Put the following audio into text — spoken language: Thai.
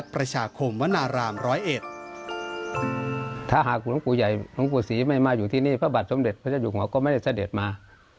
พระเจ้าหยุดหัวก็ไม่ได้เสด็จมา